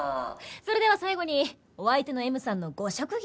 それでは最後にお相手のＭさんのご職業は？